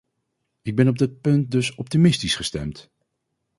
Ik ben op dit punt dus optimistisch gestemd.